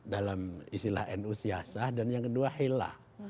dalam istilah nu siasah dan yang kedua hilah